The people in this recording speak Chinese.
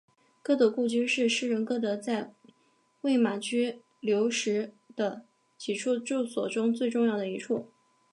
歌德故居是诗人歌德在魏玛居留时的几处住所中最重要的一处。